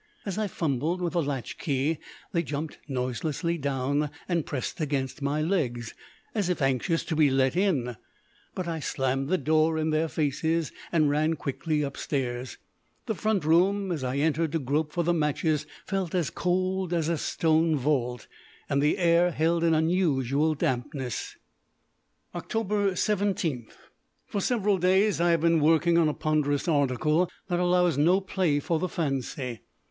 As I fumbled with the latch key they jumped noiselessly down and pressed against my legs, as if anxious to be let in. But I slammed the door in their faces and ran quickly upstairs. The front room, as I entered to grope for the matches, felt as cold as a stone vault, and the air held an unusual dampness. Oct. 17. For several days I have been working on a ponderous article that allows no play for the fancy.